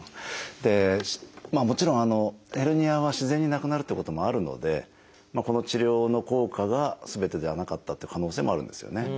もちろんヘルニアは自然になくなるってこともあるのでこの治療の効果がすべてではなかったって可能性もあるんですよね。